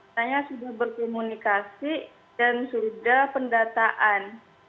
saya sudah berkomunikasi dan sudah pendataan